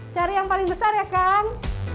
cari yang paling besar ya kang